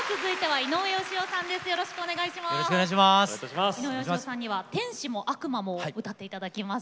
井上芳雄さんには「天使も悪魔も」を歌っていただきます。